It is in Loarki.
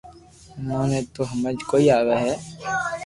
امو ني تو ھمج ڪوئي آوي ھي